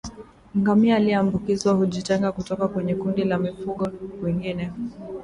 Ngamia aliyeambukizwa hujitenga kutoka kwenye kundi la mifugo wengine